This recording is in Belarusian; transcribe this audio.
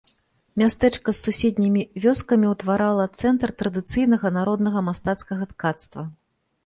Мястэчка з суседнімі вёскамі утварала цэнтр традыцыйнага народнага мастацкага ткацтва.